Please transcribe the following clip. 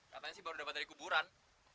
katanya sih baru dapat dari kuburan